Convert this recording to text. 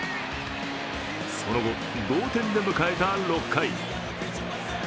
その後、同点で迎えた６回。